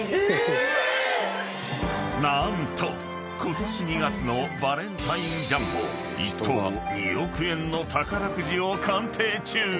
［何とことし２月のバレンタインジャンボ１等２億円の宝くじを鑑定中］